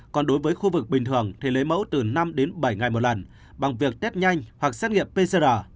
còn đối với khu vực bình thường thì lấy mẫu từ năm đến bảy ngày một lần bằng việc test nhanh hoặc xét nghiệm pcr